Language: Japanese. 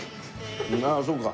ああそうか。